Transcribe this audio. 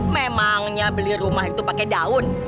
memangnya beli rumah itu pakai daun